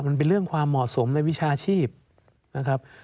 มันเป็นเรื่องความเหมาะสมในวิชาชีพนะครับ